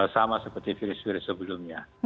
sama seperti virus virus sebelumnya